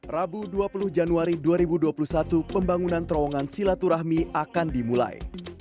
rabu dua puluh januari dua ribu dua puluh satu pembangunan terowongan silaturahmi akan dimulai